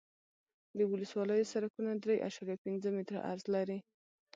د ولسوالیو سرکونه درې اعشاریه پنځه متره عرض لري